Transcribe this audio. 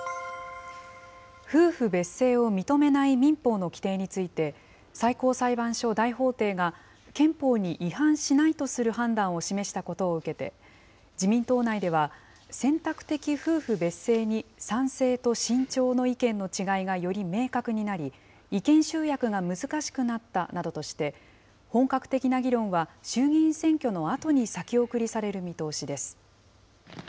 夫婦別姓を認めない民法の規定について、最高裁判所大法廷が、憲法に違反しないとする判断を示したことを受けて、自民党内では、選択的夫婦別姓に賛成と慎重の意見の違いがより明確になり、意見集約が難しくなったなどとして、本格的な議論は衆議院選挙のあとに先送りされる見通しです。